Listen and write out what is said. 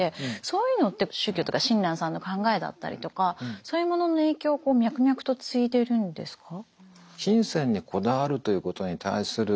そういうのって宗教とか親鸞さんの考えだったりとかそういうものの影響をこう脈々と継いでるんですか？